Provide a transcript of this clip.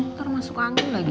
ntar masuk angin lagi